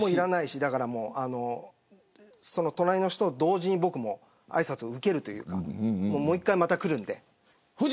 隣の人と同時にあいさつを受けるというかもう一回また来るんで。